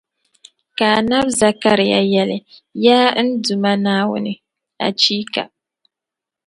Ka Annabi Zakariya yεli: Yaa n Duuma Naawuni! Achiiika!